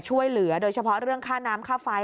ช่วยเหลือโดยเฉพาะเรื่องค่าน้ำค่าไฟ